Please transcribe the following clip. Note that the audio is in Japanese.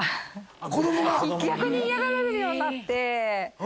逆に嫌がられるようになって。